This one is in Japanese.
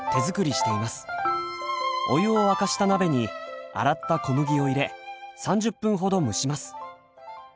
お湯を沸かした鍋に洗った小麦を入れ３０分ほど蒸します。